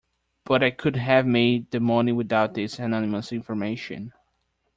But I could have made the money without this anonymous information.